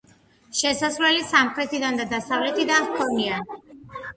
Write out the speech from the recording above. შესასვლელი სამხრეთიდან და დასავლეთიდან ჰქონია.